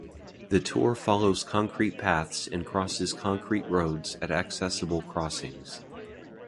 The tour follows concrete paths and crosses concrete roads at accessible crossings.